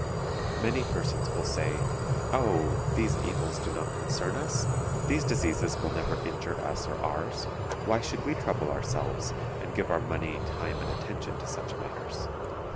Many persons will say, "Oh! these evils do not concern us; these diseases will never injure us or ours; why should we trouble ourselves, and give our money, time, and attention to such matters?"